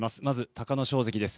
隆の勝関です。